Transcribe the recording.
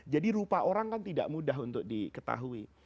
jadi rupa orang kan tidak mudah untuk diketahui